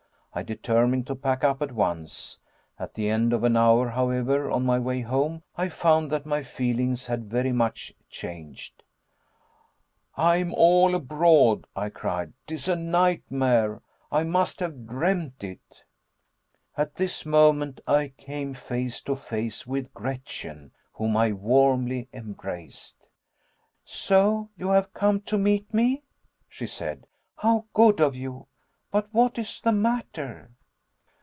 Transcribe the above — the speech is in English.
I determined to pack up at once. At the end of an hour, however, on my way home, I found that my feelings had very much changed. "I'm all abroad," I cried; "'tis a nightmare I must have dreamed it." At this moment I came face to face with Gretchen, whom I warmly embraced. "So you have come to meet me," she said; "how good of you. But what is the matter?"